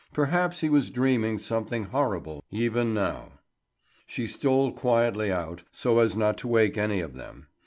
Perhaps he was dreaming something horrible even now. She stole quietly out, so as not to wake any of them.